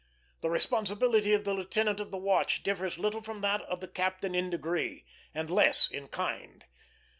The responsibility of the lieutenant of the watch differs little from that of the captain in degree, and less in kind.